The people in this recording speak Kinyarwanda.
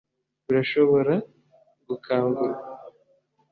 Birashobora gukangurwa